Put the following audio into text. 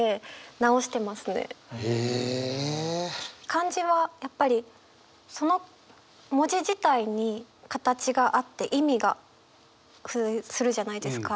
漢字はやっぱりその文字自体に形があって意味が付随するじゃないですか。